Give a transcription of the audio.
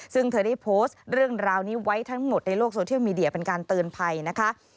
ซึ่งเธอได้โพสต์เรื่องราวนี้ไว้ทั้งหมดในโลกโซเชียลมีเดียเป็นการเตือนภัยนะคะ